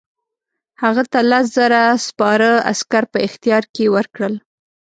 هغه ته لس زره سپاره عسکر په اختیار کې ورکړل.